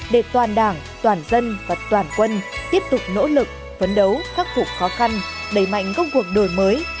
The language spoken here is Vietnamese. để toàn đảng toàn dân và toàn quân tiếp tục nỗ lực phấn đấu khắc phục khó khăn đẩy mạnh công cuộc đổi mới